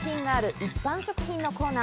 一般食品のコーナー。